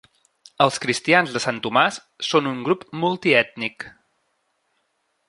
Els cristians de Sant Tomàs són un grup multiètnic.